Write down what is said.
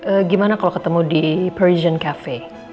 ehm gimana kalo ketemu di parisian cafe